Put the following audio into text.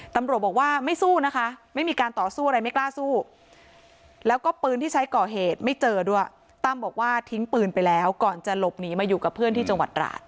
ตำรวจบอกว่าไม่สู้นะคะไม่มีการต่อสู้อะไรไม่กล้าสู้แล้วก็ปืนที่ใช้ก่อเหตุไม่เจอด้วยตั้มบอกว่าทิ้งปืนไปแล้วก่อนจะหลบหนีมาอยู่กับเพื่อนที่จังหวัดราช